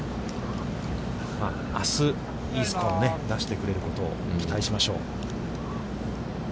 あす、いいスコアを出してくれることを期待しましょう。